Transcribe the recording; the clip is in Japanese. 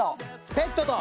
ペットと。